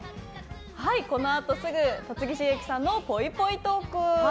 このあとすぐ戸次重幸さんのぽいぽいトーク。